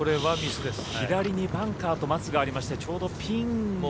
左にバンカーと松がありましてちょうどピンの。